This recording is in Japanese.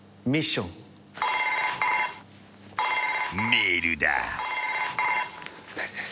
［メールだ］